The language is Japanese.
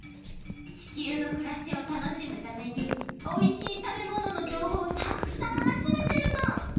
地球のくらしを楽しむためにおいしいたべもののじょうほうをたっくさんあつめてるの！